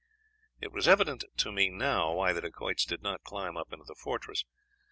It was evident to me now why the Dacoits did not climb up into the fortress.